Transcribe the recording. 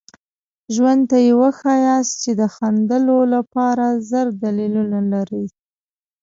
ژوند ته یې وښایاست چې د خندلو لپاره زر دلیلونه لرئ.